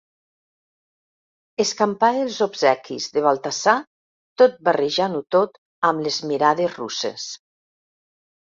Escampar els obsequis de Baltasar tot barrejant-ho tot amb les mirades russes.